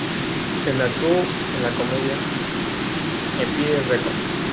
En actuó en la comedia "Empire Records".